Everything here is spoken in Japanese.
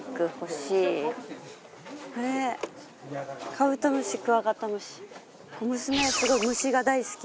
『カブトムシ・クワガタムシ』。